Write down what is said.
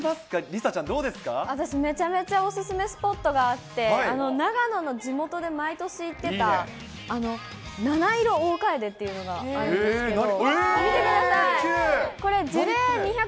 梨紗ちゃん、私、めちゃめちゃお勧めスポットがあって、長野の地元で毎年行ってた、七色大カエデっていうのがあるんですけど。